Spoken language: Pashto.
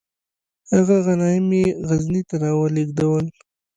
هغه غنایم یې غزني ته را ولیږدول.